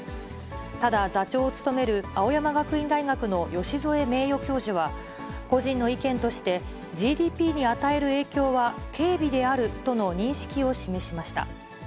ただ、座長を務める青山学院大学の美添名誉教授は、個人の意見として、ＧＤＰに与える影響は軽微であるとの認識を示しました。